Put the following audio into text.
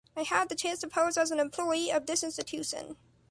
I had the chance to pose as an employee of this institution.